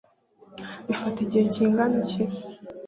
bifata igihe kingana iki